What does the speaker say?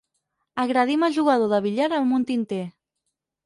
Agredim el jugador de billar amb un tinter.